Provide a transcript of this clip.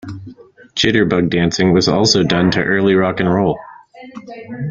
Jitterbug dancing was also done to early rock and roll.